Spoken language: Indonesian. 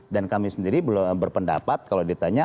dan kami sendiri belum berpendapat kalau ditanya